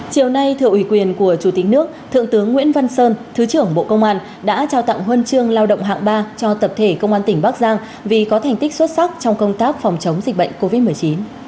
chiều nay thượng ủy quyền của chủ tịch nước thượng tướng nguyễn văn sơn thứ trưởng bộ công an đã trao tặng huân chương lao động hạng ba cho tập thể công an tỉnh bắc giang vì có thành tích xuất sắc trong công tác phòng chống dịch bệnh covid một mươi chín